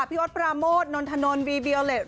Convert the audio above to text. พี่อดปราโมทนนทนนบีบิโอเลต